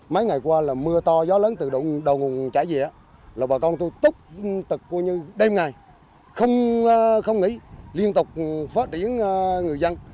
mấy ngày qua là mưa to gió lớn từ đầu nguồn trải dịa là bà con tôi tốt tực như đêm ngày không nghỉ liên tục phát triển người dân